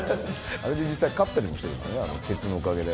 あれで実際勝ったりもしてるからねあのケツのおかげで。